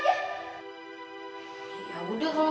ya udah kalau enggak mau